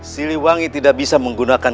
siliwangi tidak bisa menggunakan